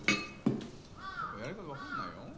パパやり方分かんないよ？